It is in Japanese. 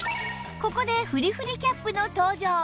ここでふりふりキャップの登場！